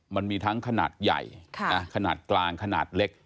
มันมีทั้งขนาดใหญ่ขนาดกลางขนาดเล็ก